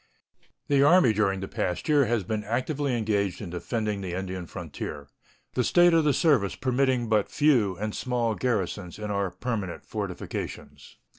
The Army during the past year has been actively engaged in defending the Indian frontier, the state of the service permitting but few and small garrisons in our permanent fortifications.